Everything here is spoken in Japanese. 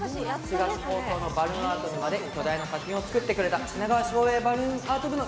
４月放送のバルーンアート沼で巨大な作品を作ってくれた品川翔英バルーン